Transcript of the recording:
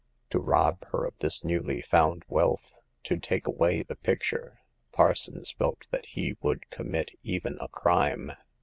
To rob her of this newly found wealth— to take away the picture — Parsons felt that he would commit even a crime.